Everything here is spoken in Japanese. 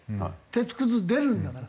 鉄くず出るんだから。